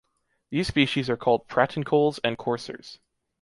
These species are called pratincoles and coursers.